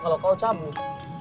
kalau kau cabut